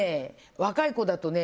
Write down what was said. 若い子だとね